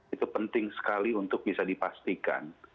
itu penting sekali untuk bisa dipastikan